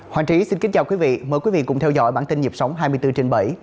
hoàng trí xin kính chào quý vị mời quý vị cùng theo dõi bản tin nhịp sống hai mươi bốn trên bảy